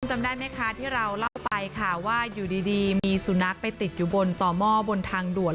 จำได้ไหมคะที่เราเล่าไปค่ะว่าอยู่ดีมีสุนัขไปติดอยู่บนต่อหม้อบนทางด่วน